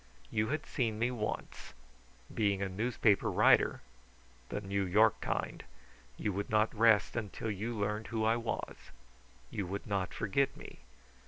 You had seen me once. Being a newspaper writer the New York kind you would not rest until you learned who I was. You would not forget me.